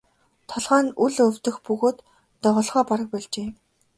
Толгой нь үл өвдөх бөгөөд доголохоо бараг больжээ.